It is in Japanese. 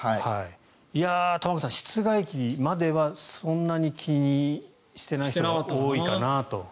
玉川さん、室外機まではそんなに気にしてなかった人が多いかなと。